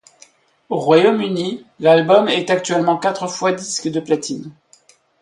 Au Royaume-Uni, l’album est actuellement quatre fois disque de platine.